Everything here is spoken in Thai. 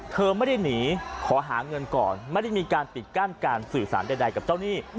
เธอไม่ได้หนีขอหาเงินก่อนไม่ได้มีการปิดกั้นการสื่อสารใดกับเจ้าหนี้